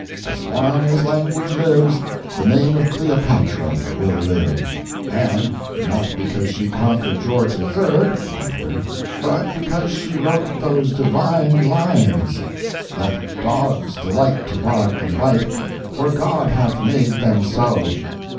As long as language lives the name of Cleopatra will live. And, not because she conquered George III but because she wrote those divine lines: "Let dogs delight to bark and bite, For God hath made them so."